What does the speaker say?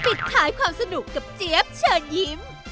ปิดท้ายความสนุกกับเจี๊ยบเชิญยิ้ม